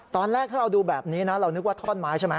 ตอนแรกถ้าเราดูแบบนี้นะเรานึกว่าท่อนไม้ใช่ไหม